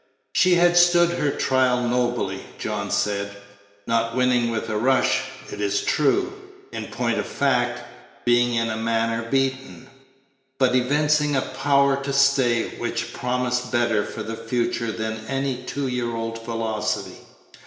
She had stood her trial nobly, John said; not winning with a rush, it is true; in point of fact, being in a manner beaten; but evincing a power to stay, which promised better for the future than any two year old velocity.